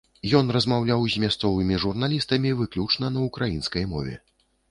Ён размаўляў з мясцовымі журналістамі выключна на ўкраінскай мове.